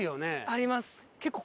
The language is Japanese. あります。